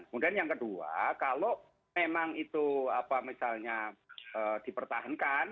kemudian yang kedua kalau memang itu misalnya dipertahankan